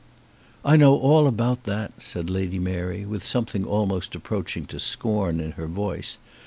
"I know all about that," said Lady Mary, with something almost approaching to scorn in her tone.